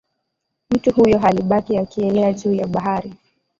mtu huyo alibaki akielea juu ya bahari